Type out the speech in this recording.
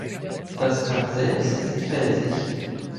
Das Kap selbst ist felsig.